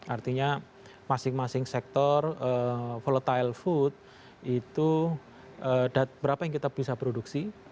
artinya masing masing sektor volatile food itu berapa yang kita bisa produksi